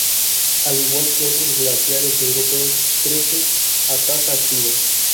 Al igual que algunos otros glaciares europeos, crece a tasa activa